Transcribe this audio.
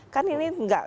kan ini tidak